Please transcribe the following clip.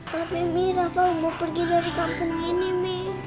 tapi mi rafa mau pergi dari kampung ini mi